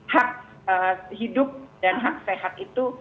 hak hidup dan hak sehat itu